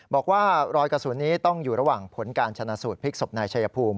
บอกว่ารอยกระสุนนี้ต้องอยู่ระหว่างผลการชนะสูตรพลิกศพนายชายภูมิ